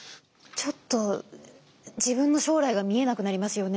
ちょっと自分の将来が見えなくなりますよね。